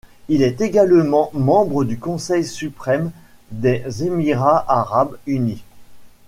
Il est également membre du Conseil Suprême des Émirats arabes unis.